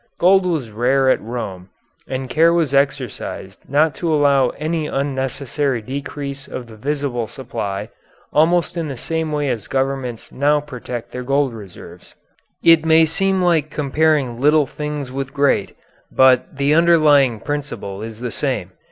Gold was rare at Rome, and care was exercised not to allow any unnecessary decrease of the visible supply almost in the same way as governments now protect their gold reserves. It may seem like comparing little things with great, but the underlying principle is the same.